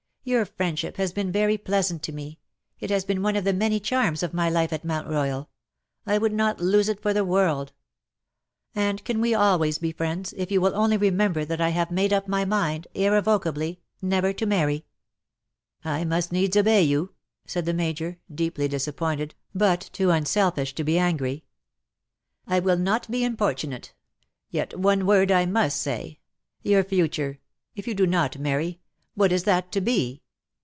Your friendship has been very pleasant to me ; it has been one of the many charms of my life at Mount Boyal. I would not lose it for the world. And we can alwaj^s be friends, if you will only remember that I have made up my mind — irrevocably — never to marry/'"' " I must needs obey you,^^ said the Major, deeply disappointed, but too unselfish to be angry. " I will not be importunate. Yet one word I must say. Your future — if you do not marry — what is that to be?